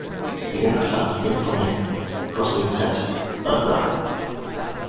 A unit has uniformed positions-such as the Scoutmaster and assistants-whose titles vary among countries.